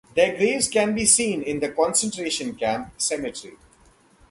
Their graves can be seen in the concentration camp cemetery.